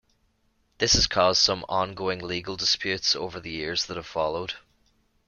This has caused some ongoing legal disputes over the years that have followed.